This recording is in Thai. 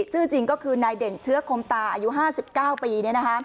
ชื่อจริงก็คือนายเด่นเชื้อคมตาอายุ๕๙ปี